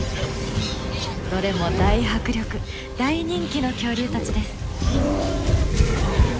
どれも大迫力大人気の恐竜たちです。